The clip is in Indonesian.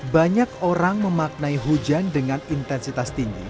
banyak orang memaknai hujan dengan intensitas tinggi